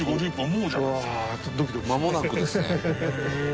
「まもなくですね」